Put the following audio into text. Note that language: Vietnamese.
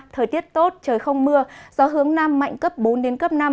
thời tiết tốt trời không mưa gió hướng nam mạnh cấp bốn đến cấp năm